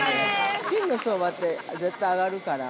金の相場って絶対上がるから。